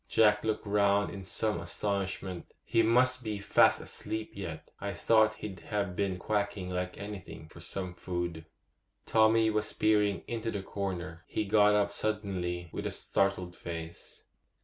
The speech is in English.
Jack looked round in some astonishment. 'He must be fast asleep yet; I thought he'd have been quacking like anything for some food.' Tommy was peering into the corner. He got up suddenly with a startled face.